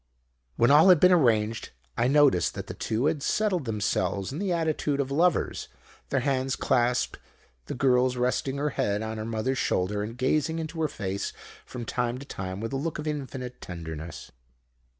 "When all had been arranged I noticed that the two had settled themselves in the attitude of lovers, their hands clasped, the girl resting her head on the mother's shoulder and gazing into her face from time to time with a look of infinite tenderness.